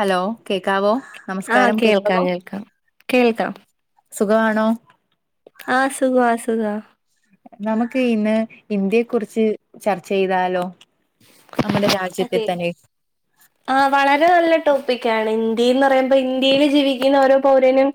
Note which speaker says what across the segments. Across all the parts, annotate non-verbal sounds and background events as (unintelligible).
Speaker 1: Hello! കേക്കാവോ?
Speaker 2: ആ
Speaker 1: നമസ്കാരം
Speaker 2: കേൾക്കാം,
Speaker 1: കേക്കാവോ
Speaker 2: കേൾക്കാം, കേൾക്കാം
Speaker 1: സുഖവാണോ?
Speaker 2: ആ സുഖാ സുഖാ
Speaker 1: നമുക്ക് ഇന്ന് ഇന്ത്യയെ കുറിച്ച് ചർച്ചെയ്താലോ?
Speaker 2: അതെ, ആ വളരെ നല്ല ടോപ്പിക്കാണ്. ന്ത്യയെന്ന്റയുമ്പം ഇന്ത്യയില് ജീവിക്കുന്ന ഓരോ പൗരനും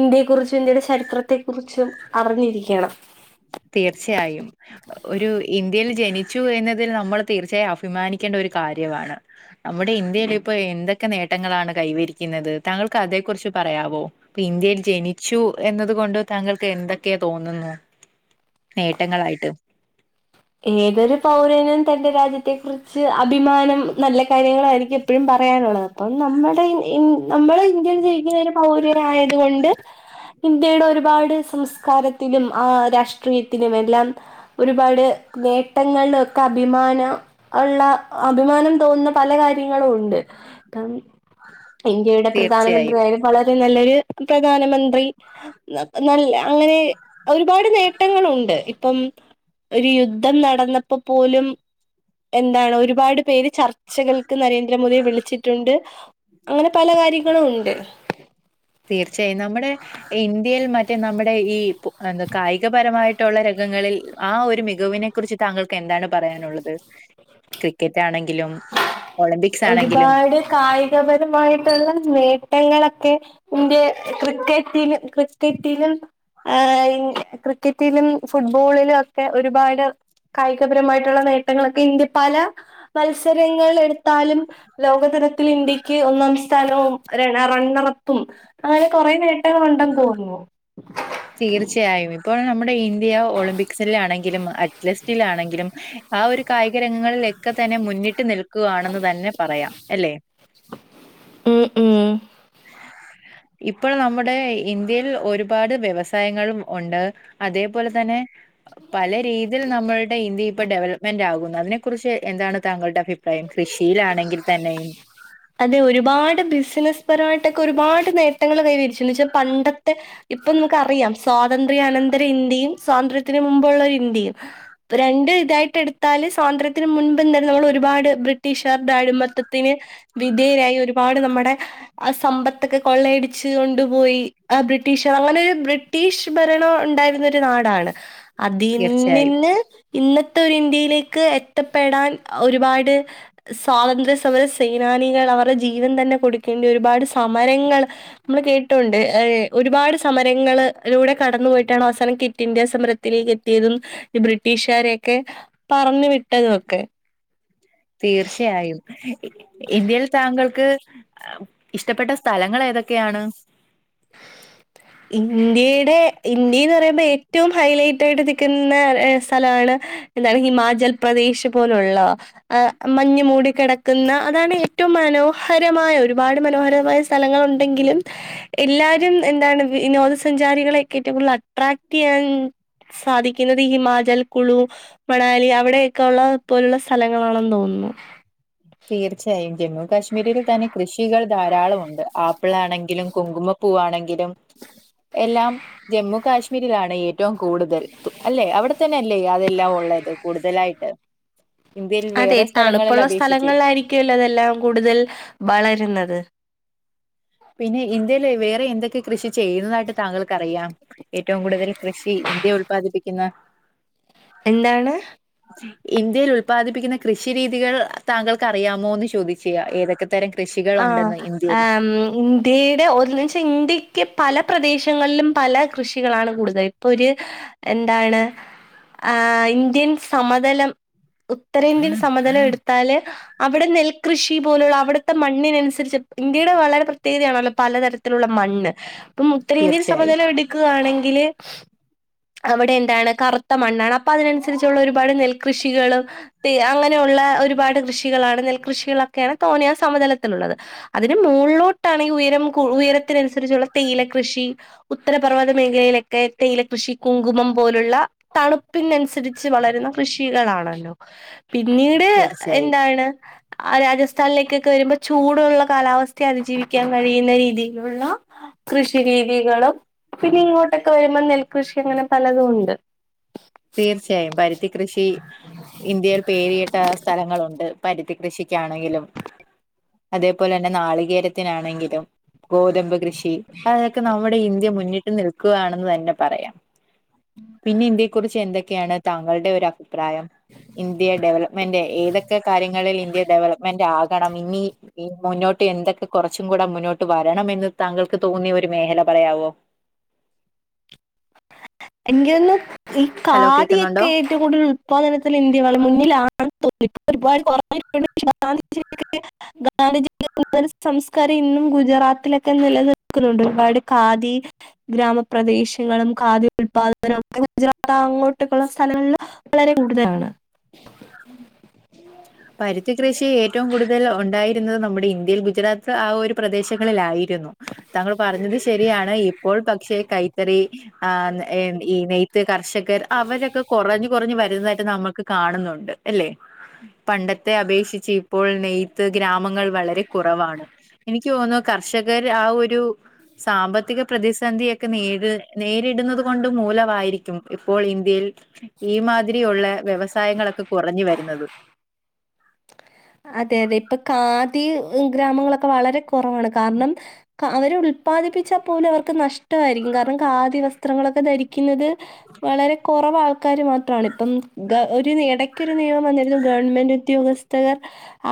Speaker 2: ഇന്ത്യയെ കുറിച്ചും ഇന്ത്യയുടെ ചരിത്രത്തെ കുറിച്ചും അ അറിഞ്ഞിരിയ്ക്കേണം.
Speaker 1: തീർച്ചയായും. ഒരു ഇന്ത്യയിൽ ജനിച്ചു എന്നതിൽ നമ്മൾ തീർച്ചയാ അഫിമാനിക്കേണ്ട ഒരു കാര്യവാണ്. നമ്മുടെ ഇന്ത്യയില് പ്പൊ എന്തൊക്കെ നേട്ടങ്ങളാണ് കൈ വെരിയ്ക്കുന്നത്. താങ്കൾക്ക് അതേ കുറി ച്ചു പറയാവോ? ഇപ്പൊ ഇന്ത്യയിൽ ജനിച്ചു എന്നത് കൊണ്ട് താങ്കൾക്ക് എന്തൊക്കെ തോന്നുന്നു? നേട്ടങ്ങളായിട്ട്
Speaker 2: ഏതൊരു പൗരനും തന്റെ രാജ്യത്തെ കുറിച്ച് അഭിമാനം, നല്ല കാര്യങ്ങളായിരിക്കും എപ്പഴും പറയാൻ ന്നാണപ്പം നമ്മടെ ഇൻ ഇൻ നമ്മടെ ഇന്ത്യയിൽ ജീവിക്കുന്ന പൗരനായത് കൊണ്ട് ഇന്ത്യയുടെ ഒരുപാട് സംസ്കാരത്തിലും ആ രാഷ്ട്രീയത്തിനും എല്ലാം ഒരുപാ ട് നേട്ടങ്ങളൊക്കെ അഭിമാന ഒള്ള അഭിമാനം തോന്ന പല കാര്യങ്ങളും ഉ ണ്ട്. (unintelligible) ഇന്ത്യയുടെ
Speaker 1: തീർച്ചയായും
Speaker 2: പ്രധാനമന്ത്രിയായാലും വളര് നല്ലൊര് പ്രധാനമന്ത്രി ന നല്ല അങ്ങനെ ഒരുപാട് നേട്ടങ്ങളു ണ്ട്. ഇപ്പം ഒരു യുദ്ധം നടന്നപ്പ പോലും എന്താണ് ഒരുപാട് പേര് ചർച്ചകൾക്ക് നരേന്ദ്രമോദിയെ വിളിച്ചിട്ട്ണ്ട്. അങ്ങനെ പല കാര്യ
Speaker 1: തീർച്ച്യായും, നമ്മുടെ ഇന്ത്യയിൽ മ മറ്റേ നമ്മടെ ഈ പൊ എന്ത് കായികപരമായിട്ടുള്ള രഗങ്ങളിൽ ആ ഒരു മികവിനെ കുറിച്ച് താങ്കൾക്ക് എന്താ ന്താണ് പറയാനുള്ളത്. ക്രിക്ക
Speaker 2: ഒരുപാട് കായികപരമായിട്ടുള്ള നേ ട്ടങ്ങളൊക്കെ ഇന്ത്യ ക്രിക്കറ്റിലും ക്രിക്കറ്റിലും ആ ക്രിക്കറ്റിലും ഫുട്ബോളിലും ഒക്കെ ഒരുപാട് കായികപരമായിട്ടുള്ള നേട്ടങ്ങളൊക്കെ ഇന്ത്യ പല മത്സരങ്ങൾ എടുത്താലും ലോകതരത്തിൽ ഇന്ത്യയ്ക്ക് ഒന്നാം സ്ഥാനവും റണ്ണർ അപ്പ് പ്പും, അങ്ങനെ കൊറേ നേട്ടങ്ങളുണ്ടെന്ന് തോന്നുന്നു.
Speaker 1: തീർച്ചയായും ഇപ്പോൾ നമ്മുടെ ഇന്ത്യ ഒളിമ്പിക്സിലാണെങ്കിലും അത്‌ലറ്റിക്‌സിലാണെങ്കിലും ആ ഒരു കായികരംഗങ്ങളിലക്കെ തന്നെ മുന്നിട്ട് നിൽക്കുകയാണെന്ന് തന്നെ പറയാം അല്ലെ
Speaker 2: ഉം ഉം
Speaker 1: (inaudible) ഇപ്പോൾ നമ്മുടെ ഇന്ത്യയിൽ ഒരുപാട് വ്യവസായങ്ങളും ഉണ്ട് അതേപോലെ തന്നെ പല രീതിയിൽ നമ്മളുടെ ഇന്ത്യ ഇപ്പൊ ഡവലപ്മെൻ്റ് ആകുന്നു അതിനെ കുറിച്ച് എന്താണ് താങ്കളുടെ അഭി
Speaker 2: അതെ ഒരുപാട് ബിസിനസ് പരിപാടി ഒരുപാട് നേട്ടങ്ങൾ കൈവരിച്ചു എന്ന് വച്ച പണ്ടത്തെ ഇപ്പൊ നമുക്കറിയാം സ്വാതന്ത്ര്യാ അനന്ത്ര ഇൻ ഇന്ത്യയും സ്വാതന്ത്ര്യത്തിന് മുമ്പുള്ള ഒരു ഇന്ത്യും രണ്ടും ഇതായിട്ട് എടുത്താല് സ്വതന്ത്രത്തിന് മുൻപ് നമ്മള് ഒരുപാട് ബ്രിട്ടീഷുകാരുടെ അടിമത്വത്തിന് വിധേയരായി ഒരുപാട് നമ്മടെ ആ സമ്പത്തൊക്കെ കൊള്ളയടിച്ച് കൊണ്ടുപോയി ആ ബ്രിട്ടീഷർ അങ്ങനെ ഒരു ബ്രിട്ടീഷ് ഭരണം ഉ ണ്ടായിരുന്നൊരു നാടാണ് അതിൽ
Speaker 1: തീർച്ചയായും
Speaker 2: നിന്ന് ഇന്നത്തെ ഒരു ഇന്ത്യയിലേക്ക് എത്തപ്പെടാൻ ഒരുപാട് സ്വാതന്ത്ര്യ സമര സേനാനികൾ അവരുടെ ജീവൻ തന്നെ കൊടുക്കേണ്ടി ഒരുപാട് സമരങ്ങൾ നമ്മള് കേട്ടിട്ടുണ്ട് ഏഹ് ഒരുപാട് സമരങ്ങളിലൂടെ കടന്നു പോയിട്ടാണ് അവസാനം ക്വിറ്റ് ഇന്ത്യ സമരത്തി ലേക്ക് എത്തിയതും ഈ ബ്രിട്ടീഷുകാരെയൊക്കെ പറഞ്ഞു വിട്ടതും ഒക്കെ
Speaker 1: (inaudible) തീർച്ചയായും ഇന്ത്യയിൽ താങ്കൾക്ക് ഇഷ്ടപ്പെട്ട സ്ഥലങ്ങൾ ഏതൊ ക്കെയാണ്
Speaker 2: ഇന്ത്യയുടെ ഇന്ത്യ എന്ന് പറയുമ്പോ ഏറ്റവും ഹൈലൈറ്റ് ആയിട്ട് നിക്കുന്ന സ്ഥലാണ് എന്താണ് ഹിമാചൽ പ്രദേശ് പോലുള്ള മഞ്ഞ് മൂടിക്കെടക്കുന്ന അതാണ് ഏറ്റവും മനോഹരമായ ഒരുപാട് മനോഹരമായ സ്ഥലങ്ങൾ ഉണ്ടെങ്കിലും എല്ലാവരും എന്താണ് വിനോദസഞ്ചാരികളെ ഒക്കെ ഏറ്റവും കൂടുതൽ അട്രാക്ട് ചെയ്യാൻ സാധിക്കുന്നത് ഹിമാചൽ കുളു മണാലി അവിടെയൊക്കെയുള്ള പോലുള്ള സ്ഥലങ്ങളാണെന്ന് തോന്നു ന്നു
Speaker 1: തീർച്ചയായും ജമ്മു കശ്മീരിൽ തന്നെ കൃഷികൾ ധാരാളം ഒണ്ട്. ആപ്പിളാണെങ്കിലും കുങ്കുമപ്പൂവാണെങ്കിലും എല്ലാം ജമ്മു കാശ്മീരിലാണ്, ഏറ്റവും കൂടുതൽ അല്ലെ അവിടെ തന്നെ അല്ലേ അതെല്ലാം ള്ളത് കൂടുതലായിട്ട് ഇന്ത്യയിൽ
Speaker 2: അതെ
Speaker 1: വേറെ സ്ഥലങ്ങളിൽ
Speaker 2: തണുപ്പുള്ള
Speaker 1: അപേക്ഷിച്ച്
Speaker 2: സ്ഥലങ്ങളിലായിരിക്കുമല്ലോ അതെല്ലാം കൂടുതൽ വളരുന്നത്
Speaker 1: പിന്നെ ഇന്ത്യൽ വേറെ എന്തൊക്കെ കൃഷി ചെയ്യുന്നതായിട്ട് താങ്കൾക്കറിയാം ഏറ്റവും കൂടുതൽ കൃഷി ഇന്ത്യ ഉല്പാദിപ്പിക്കുന്ന
Speaker 2: എന്താണ്
Speaker 1: ഇന്ത്യയിൽ ഉത്പാദിപ്പിക്കുന്ന കൃഷി രീതികൾ താങ്കൾക്ക് അറിയാമോ എന്ന് ചോദിച്ച്യ ഏതൊക്കെ തരം കൃഷികൾ
Speaker 2: ആ
Speaker 1: ഉണ്ടെന്ന് ഇന്ത്യയിൽ
Speaker 2: മ്മ് ഇന്ത്യയുടെ ഒരു നിമിഷം ഇന്ത്യക്ക് പല പ്രദേശങ്ങളിലും പല കൃഷികളാണ് കൂടുതൽ ഇപ്പൊ ഒരു എന്താണ് ആ ഇന്ത്യൻ സമതലം ഉത്തരേന്ത്യൻ സമതലം എടുത്താൽ അവിടെ നെൽകൃഷി പോലുള്ള അവിടെ ത്തെ മണ്ണിനനുസരിച്ച് ഇന്ത്യയുടെ വളരെ പ്രത്യേകതയാണല്ലോ പലതരത്തിലുള്ള മണ്ണ് ഇപ്പം ഉത്തരേന്ത്യയിൽ
Speaker 1: തീർച്ചയായും
Speaker 2: സമനില എടുക്കുകയാണെങ്കിൽ അവിടെ എന്താണ് കറുത്ത മണ്ണാണ് അപ്പൊ അതിനനുസരിച്ചുള്ള ഒരുപാട് നെൽകൃഷികളും അങ്ങനെയുള്ള ഉള്ള ഒരുപാട് കൃഷികളാണ് നെൽകൃഷികളൊക്കെയാണ് തോണിയാ സമതലത്തിലുള്ളത് അതിന് മുകളിലോട്ടാണെങ്കിൽ ഉയരം ഉയരത്തിനനുസരിച്ചുള്ള തേയിലകൃഷി ഉത്തരപർവ്വത മേഖലയിലൊക്കെ തേയിലകൃഷി കുങ്കുമം പോലുള്ള തണുപ്പിനനുസരിച്ച് വളര കൃഷികളാണല്ലോ പിന്നീട്
Speaker 1: തീർച്ചയായും
Speaker 2: എന്താണ് ആ രാജസ്ഥാനിലേക്ക് വരുമ്പോ ചൂടുള്ള കാലാവസ്ഥയെ അതിജീവിക്കാൻ കഴിയുന്ന രീതിയിലുള്ള കൃഷി രീതികളും പിന്നെ ഇങ്ങോട്ടൊക്കെ വരുമ്പോ നെൽകൃഷി അങ്ങനെ പലതും ഉണ്ട്
Speaker 1: തീർച്ചയായും പരുത്തി കൃഷി ഇന്ത്യയിൽ പേരിയിട്ട സ്ഥലങ്ങളുണ്ട് പരുത്തി കൃഷിക്കാണെങ്കിലും അതേപോലെ തന്നെ നാളികേരത്തിനാണെങ്കിലും ഗോതമ്പ് കൃഷ ഷി അതൊക്കെ നമ്മുടെ ഇന്ത്യ മുന്നിട്ട് നിൽക്കുകയാണെന്ന് തന്നെ പറയാം പിന്നെ ഇന്ത്യ കുറിച്ച് എന്തൊക്കെയാണ് താങ്കള ഒരു അഭി അഭിപ്രായം ഇന്ത്യ ഡെവലപ്മെന്റ് ഏതൊക്കെ കാര്യങ്ങളിൽ ഇന്ത്യ ഡെവലപ്മെന്റ് ആക ണം ഇനി മുന്നോട്ട് എന്തൊക്കെ കുറച്ചും കൂടെ മുന്നോട്ട് വരണം എന്ന് താങ്കൾക്ക് തോന്നിയ ഒരു മേഖല പറയാവോ
Speaker 2: എനിങ്കൊന്ന് ഈ
Speaker 1: ഹലോ കേൾക്കുന്നുണ്ടോ
Speaker 2: കാദിയൊക്കെ ഏറ്റവും കൂടുതൽ ഉല്പാദനത്തിൽ ഇന്ത്യ മുന്നിലാ ഒരുപാട്ഞ്ഞട്ടണ്ട് ഗാന്ധിജ ഗാന്ധിജിയ സംസ്കാരം ഇന്നും ഗുജറാത്തിലൊക്കെ നിലനിൽക്കുന്നുണ്ട് ഒരുപാട് കാദി ഗ്രാമപ്രദേശങ്ങളും കാദി ഉല്പാദന ഗുജറാ അങ്ങോട്ടക്കുള്ള സ്ഥലങ്ങളിൽ വളരെ കൂടുതലാണ് (unintelligible) (unintelligible)
Speaker 1: പരുത്തി കൃഷി ഏറ്റവും കൂടുതൽ ഉണ്ടായിരുന്നത് നമ്മുടെ ഇന്ത്യയിൽ ഗുജറാത്ത് ആ ഒരു പ്രദേശങ്ങളിലായി രുന്നു താങ്കൾ പറഞ്ഞത് ശരിയാണ് ഇപ്പോൾ പക്ഷേ കൈത്തറി ആ ഈ നെയ്ത്ത കർഷകർ അവരൊക്കെ കുറഞ്ഞ് കുറഞ്ഞ് വരുന്നതായിട്ട് നമ്മൾക്ക് കാണുന്നുണ്ട് അല്ലെ പണ്ടത്തെ അപേക്ഷിച്ച് ഇപ്പോൾ നെയ്ത്ത് ഗ്രാമങ്ങൾ വളരെ കുറവാണ് എനിക്ക് തോന്നുന്നു കർഷകർ ആ ഒരു സാമ്പത്തിക പ്രതിസന്ധിയൊക്കെ നേരി നേരിടുന്നത് കൊണ്ട് മൂലമായിരിക്കും ഇപ്പോൾ ഇന്ത്യയിൽ ഈ മാതിരി ഉള്ള വ്യവസായങ്ങളൊക്കെ കുറഞ്ഞു വരുന്നത്
Speaker 2: അതെ അതെ ഇപ്പൊ കാദി ഗ്രാമങ്ങളൊക്കെ വളരെ കുറവാണ് കാരണം അവരെ ഉല്പാദിപ്പിച്ചാൽ പോലെ അവർക്ക് നഷ്ടമായിരിക്കും കാരണം കാദി വസ്ത്രങ്ങളൊക്കെ ധരിക്കും ക്കുന്നത് വളരെ കുറവ് ആൾക്കാർ മാത്രമാണ് ഇപ്പം ഇടയ്ക്ക ഒരു നിയമം വിരുന്നു ഗവൺമെന്റ് ഉദ്യോഗസ്ഥർ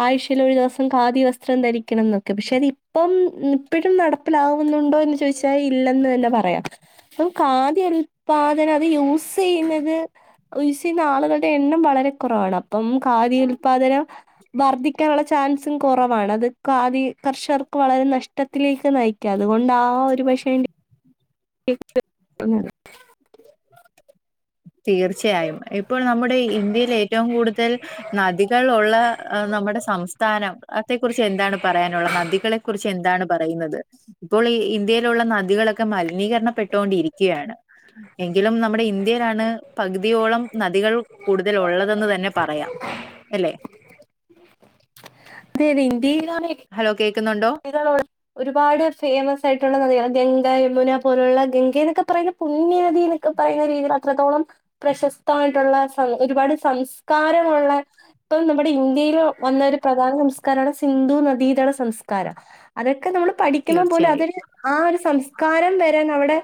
Speaker 2: ആഴ്ചൽ ഒരു ദിവസം ഖാദി വസ്ത്രം ധരിക്കണം എന്നൊക്കെ പക്ഷെ അത് ഇപ്പം ഇപ്പഴും നടപ്പില ണ്ടോന്ന് ചോയിച്ചാൽ ഇല്ല തന്നെ പറയാം ഖാദി ഉത്പാദനം അത് യൂസ് ചെയുന്നത് യൂസ് ചെയ്യുന്ന ആളുകളുടെ എണ്ണം വളരെ കുറവാണ് അപ്പം ഖാദി ഉൽപാദനം വർദ്ധിക്കാനുള്ള ചാൻസും കുറവാണ് അത് കാതി കർഷകർക്ക് വളരെ നഷ്ടത്തിലേക്ക് നയിക്കാതെ അതുകൊണ്ട ആ ഒരു പക്ഷേ (unintelligible)
Speaker 1: തീർച്ചയായും ഇപ്പോൾ നമ്മുടെ ഇന്ത്യയിൽ ഏറ്റവും കൂടുതൽ നമ്മുടെ സംസ്ഥാനം അത കുറിച്ച് എന്താണ് പറയാനുള്ള നദികളെ കുറിച്ച് എന്താണ് പറയുന്നത് ഇപ്പോൾ ഈ ഇന്ത്യയിലുള്ള നദികളൊക്കെ മലിനീകരണപ്പെട്ടുകൊണ്ടിരിക്കുകയാണ് എങ്കിലും നമ്മുടെ ഇന്ത്യയിലാണ് പകുതിയോളം നദികൾ കൂടുതൽ ഉള്ളതെന്ന് തന്നെ പറയാം അല്ലെ
Speaker 2: അതെ അതെ ഇന്ത്യയിലാണ്
Speaker 1: ഹലോ കേൾക്കുന്നുണ്ടോ
Speaker 2: നികള ഒരുപാട് ഫേമസ് ആയിട്ടുള്ള നദികൾ ഗംഗ, യമു മുന പോലുള്ള ഗംഗ എന്നൊക്കെ പറയുന്ന പുണ്യനദി എന്നൊക്കെ പറയുന്ന രീതിയിൽ അത്രത്തോളം പ്രശസ്തമായിട്ടുള്ള ഒരുപാട് സംസ്കാരമുള്ള ഇപ്പം നമ്മുടെ ഇന്ത്യയിൽ വന്ന ഒരു പ്രധാന സംസ്കാരമാണ് സിന്ധു നദീതട സംസ്കാരം കാര അതൊക്കെ നമ്മൾ പഠിക്കുമ്പോ പോലും
Speaker 1: തീർച്ചയായും
Speaker 2: അതൊരു ആ ഒരു സംസ കാരം വരാൻ അവിടെ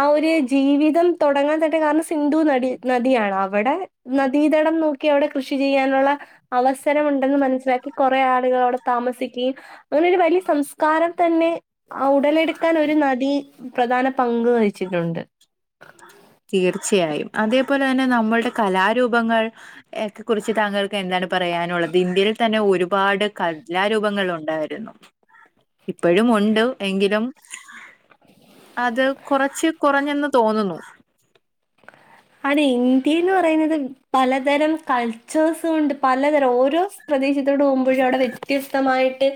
Speaker 2: ആ ഒരു ജീവിതം തുടങ്ങാൻ തട്ടെ കാരണം സിന്ധു നടി നദിയാണ് ആ അവിടെ നദീതടം നോക്കി അവിടെ കൃഷി ചെയ്യാനുള്ള അവസരം ഉണ്ടെന്ന് മനസ്സിലാക്കി കുറേ ആൾ താമസിക്കയും അങ്ങനെരു വലിയ സംസ്കാരം തന്നെ ആ ഉടലെടുക്കാൻ ഒരു നദി പ്രധാന പങ്ക് വഹിച്ചിരുന്നു ഉണ്ട്
Speaker 1: ആ തീർച്ചയായും അതേപോലെ തന്നെ നമ്മളുടെ കലാരൂപങ്ങൾക്കെ കുറിച്ച് താങ്കൾക്ക് എന്താണ് പറയാനുള്ളത് ഇന്ത്യയിൽ തന്നെ ഒരുപാട് കലാരൂപങ്ങളുണ്ട് ണ്ടായിരുന്നു ഇപ്പോഴും ഉണ്ട് എങ്കിലും അത് കൊറച്ച് കുറഞ്ഞെന്ന് തോന്നുന്നു
Speaker 2: അതെ ഇന്ത്യന്ന് പറയുന്നത് പലതരം കൾച്ചേഴ്സ് കൊണ്ട് പലതരം ഓരോ പ്ര ശത്തേക്ക് പോകുമ്പോഴും അവിടെ വ്യത്യസ്തമായിട്ട്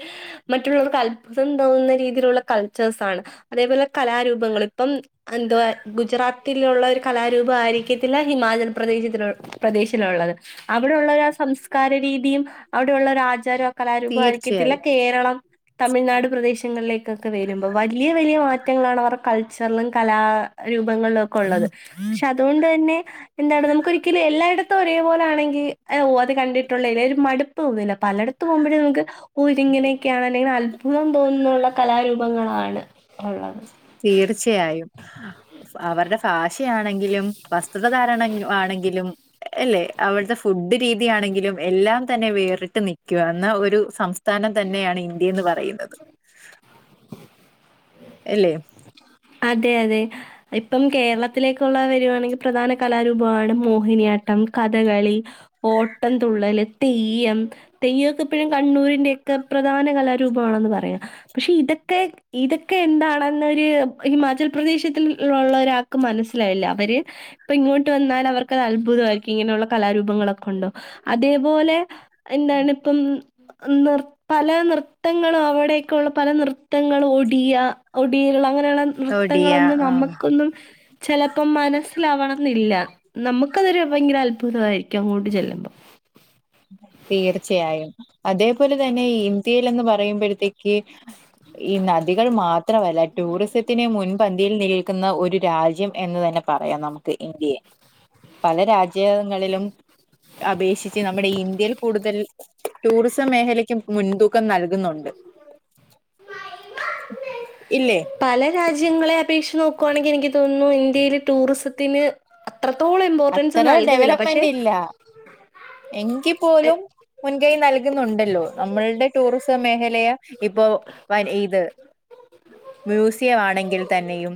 Speaker 2: മറ്റുള്ളവർക്ക് അത്ഭുതം തോന്നുന്ന രീതിയിലുള്ള കൾച്ചർ സൺ അതേപോലെ കലാരൂപങ്ങൾ ഇപ്പം എന്ത ഗുജറാത്തിലുള്ള കലാരൂപം ആയിരിക്കത്തില്ല ഹിമാചൽ പ്രദേശ പ്രദേശിലുള്ളത് അവിടെള്ള ആ സംസ്കാര രീതിയും അവിടെയള്ള ഒരു ആചാരം കലാരൂപം ആയിരിക്കത്തില്ല
Speaker 1: തീർച്ചയായും
Speaker 2: കേരളം തമിഴ്നാട് പ്രദേശങ്ങളിലേക്ക് ഒക്കെ വരുമ്പോ വലിയ വലിയ മാറ്റങ്ങളാണ് അവരുടെ കൾച്ചറിലും കലാരൂപങ്ങളിലും ഒക്കെ ഉള്ളത് പക്ഷെ അതുകൊണ്ട് തന്നെ എന്താണ് നമുക്ക് ഒരിക്കലും എല്ലായിടത്തും ഒരേ പോലൊണെങ്കിൽ ഓ അത് കണ്ടിട്ടുള്ള ഒരു മടുപ്പ് തോന്നിലെ പലയിടത്ത് പോകുമ്പോഴേ നമുക് ഇതിഇങനെയൊകെ അന്നാലെ അത്ഭു അത്ഭുതം തോന്നുന്നുുള്ള കലാരൂപങ്ങളാണ് ഉള്ളത്
Speaker 1: തീർച്ചയായും അവരുടെ ഭാഷയാണെങ്കിലും വസ് വസ്ത്രധാരണ ആണെങ്കിലും അല്ലെ അവിടുത്തെ ഫുഡ് രീതിയാണെങ്കിലും എല്ലാം തന്നെ വേറിട്ട് നിൽക്കുക എന്ന ഒരു സംസ്ഥ സംസ്ഥാനം തന്നെയാണ് ഇന്ത്യ എന്ന് പറയുന്നത് എല്ലേ
Speaker 2: അതെ അതെ ഇപ്പം കേരളത്തിലേക്കുള്ള വരുവാണെങ്കിൽ പ്രധാന കലാരൂപമാണ് മോഹിനിയാട്ട ട്ടം കഥകളി ഓട്ട തുള്ളൽ തെയ്യം തെയ്യക്കെഴും കണ്ണൂരിന്റെ ഒക്കെ പ്രധാന കലാരൂപമാണെന്ന് പറയാ പക്ഷെ ഇതൊക്കെ ഇതൊക്കെ എന്താണെന്നൊരു ഹിമാചൽ പ്രദേശത്തിള്ള ഒരാൾക്ക് മനസ്സിലാവല്ല അവര് ഇപ്പൊ ഇങ്ങോട്ട് വന്നാൽ അവർക്ക് അത് അത്ഭുത ഇങ്ങനെയുള്ള കലാരൂപങ്ങളൊക്കെ ഉണ്ടോ അതേപോലെ എന്താണ് ഇപ്പം പല നൃത്തങ്ങളും അവിടെയൊക്കെയ ഉള്ള പല നൃത്തങ്ങളും ഒടിയ ഒടിയുള്ള അങ്ങനെയുള്ള
Speaker 1: ഒഡിയ
Speaker 2: നൃത്തങ്ങളൊന്നും
Speaker 1: ആഹ്
Speaker 2: നമുക്കൊന്നും ചിലപ്പോ മനസ്സിലാവണം എന്നില്ല നമുക്കതൊരു ഭയങ്കര അത്ഭുതമായിരിക്കും അങ്ങോട്ട് ചെല്ലുമ്പം
Speaker 1: തീർച്ചയായും അതേപോലെ തന്നെ ഇന്ത്യയിൽ എന്ന് പറയുമ്പോഴത്തേക്ക് ഈ നദികൾ മാത്രമല്ല ടൂറിസത്തിനെ മുൻപന്തിയിൽ നി ക്കുന്ന ന്ന ഒരു രാജ്യം എന്ന് തന്നെ പറയാം നമുക്ക് ഇന്ത്യെ പല രാജ്യങ്ങളിലും അപേക്ഷിച്ച് നമ്മുടെ ഇന്ത്യയിൽ കൂടുതൽ ടൂറിസം മേഖലയ്ക്ക് മുൻതൂക്കം നൽകുന്നുണ്ട് ഇല്ലേ
Speaker 2: (unintelligible) പല രാജ്യങ്ങളെ അപേക്ഷച്ച് നോക്കുവാണെങ്കിൽ എനിക്ക് തോന്നുന്നു ഇന്ത്യയിൽ ടൂറിസത്തിന് അത്രത്തോളം ഇമ്പോർട്ടൻസ്
Speaker 1: അത്ര
Speaker 2: നൽകുന്നില്ല പക്ഷെ
Speaker 1: ഡെവലപ്മെന്റ് ഇല്ല എങ്കി പോലും മുൻകൈ നൽകുന്നുണ്ടല്ലോ നമ്മളുടെ ടൂറിസ്റ്റ്. മേഖലയ ഇപ്പൊ വ ഇത് മ്യൂസിയം ആണെങ്കിൽ തന്നെയും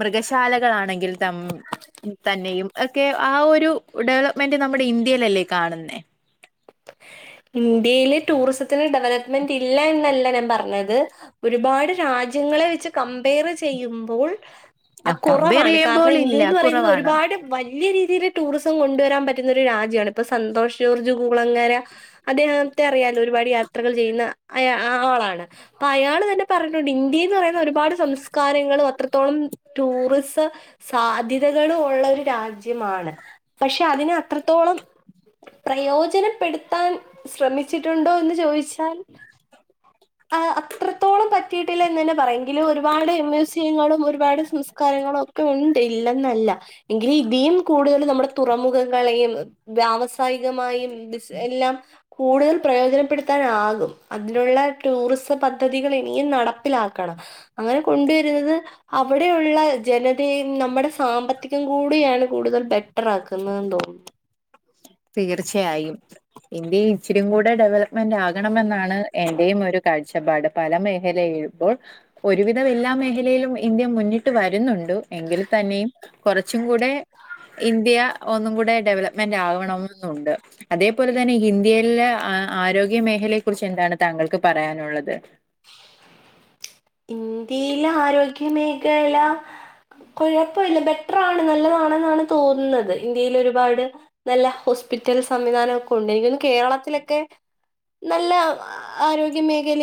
Speaker 1: മൃഗ ശാലകളാണെങ്കിൽ ത തന്നെയും ഒക്കെ ആ ഒരു ഡെവലപ്മെന്റ നമ്മുടെ ഇന്ത്യയിലല്ലേ കാണുന്നേ
Speaker 2: ഇന്ത്യയിൽ ടൂറിസത്തിന് ഡവലപ്മെന്റ് ഇല്ല എന്നല്ല ന പറഞ്ഞത് ഒരുപാട് രാജ്യങ്ങളെ വെച്ച് കപയർ ചെയ്യുമ്പോൾ ആഹ്
Speaker 1: കമ്പയർ
Speaker 2: കുറവാണ് കാരണം
Speaker 1: ചെയ്യുമ്പോൾ ഇല്ല
Speaker 2: ഇന്ത്യന്ന് പറയുന്നത്
Speaker 1: കുറവാണ്
Speaker 2: ഒരുപാട് വ വലിയ രീതിയി ടൂറിസം കൊണ്ടുവരാൻ പറ്റുന്ന ഒരു രാജ്യമാണ് ഇപ്പപ്പോ സന്തോഷ് ജോർജ കുളങ്ങര അദ്ദേഹത്തെ അറിയല്ലോ ഒരുപാട് യാത്രകൾ ചെയ്യുന്ന ആളാണ് അ അയാ പറഞ്ഞണ്ട് ഇന്ത്യന്ന് പറയുന്ന ഒരുപാട് സംസ്കാരങ്ങളും അത്രത്തോളം ടൂറിസസാ തക ഉള്ള ഒരു രാജ്യമാണ് പക്ഷെ അതിന് അത്രത്തോളം പ്രയോജന സോജനപ്പെടുത്താൻ ശ്രമിച്ചിട്ടുണ്ടോ എന്ന് ചോദിച്ചാൽ
Speaker 1: (inaudible)
Speaker 2: ഇത്രത്തോളം പറ്റിയിട്ടില്ല എന്ന് തന്നെ പറയെങ്കിലും ഒരുപാട് മ്യൂസിയങ്ങളും ഒരുപാട് സംസ്കാരങ്ങളും ഒക്കെ ഉണ്ട്ല്ല നല്ല എങ്ക ല് ഇത കൂടുതൽ നമ്മ തുറമുഖങ്ങളെയും വ്യാവസായികമായും എല്ലാം കൂടുതൽ പ്രയോജനപ്പെടുത്താ ആകും അതിനുള്ള ടൂറിസം പദ്ധതികൾ ഇനിയും നടപ്പിലാക്കണം അങ്ങനെ കൊണ്ടുവരുന്നത് അവിടെയുള്ള ജനത നമ്മുടെ സാമ്പത്തികം കൂടെയാണ് കൂടുതൽ ബെറ്ററ ആാക്കുന്നതെന്ന് തോന്നുന്നു
Speaker 1: തീർച്ചയായും ഇന്ത്യ ഇച്ചരികൂടെ ഡെവലപ്മെന്റ ആകണെന്നാണ് എന്റെയും ഒരു കാഴ്ചപ്പാട് പല മേഖല മ്പോൾ ഒരുവിധം എല്ലാ മേഖലയിലും ഇന്ത്യ മുന്നിട്ട് വരുന്നുണ്ട് എങ്കിൽ തന്നെയും കുറച്ചും കൂടെ ഇന്ത്യ ഒന്നും കൂടെ ഡെവലപ്മെന്റ ആകണം അതേപോലെ തന്നെ ഇന്ത്യയിലെ ആരോഗ്യ മേഖലയെ കുറിച്ച് എന്താണ് താങ്കൾക്ക് പറയാനുള്ള ള്ളത്
Speaker 2: ഇന്ത്യയിലെ ആരോഗ്യ മേഖല കുഴപ്പമില്ല ബെറ്റർ ആാണ് നല്ലതാണെന്നാണ് തോന്നുന്നത് ഇന്ത്യൽ ഒരുപാട് നല്ലോ്പ പിറ്റൽ സംവിധാനക്കെ ഉണ്ട് എനിക്ക കേരളത്തിലൊക്കെ നല്ല ആരോഗ്യ മേഖല